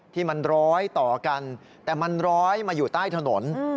ที่มันร้อยต่อกันแต่มันร้อยมาอยู่ใต้ถนน